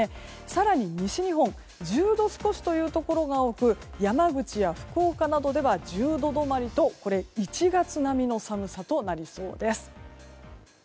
更に西日本１０度少しというところが多く山口や福岡などでは１０度止まりと１月並みの寒さとなりそうです。